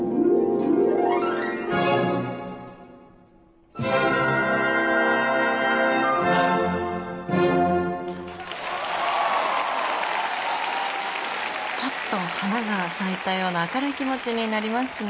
次はパッと花が咲いたような明るい気持ちになりますね。